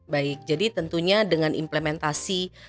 baik jadi tentunya dengan implementasi